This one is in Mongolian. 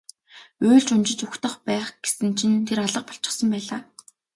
Уйлж унжиж угтах байх гэсэн чинь тэр алга болчихсон байлаа.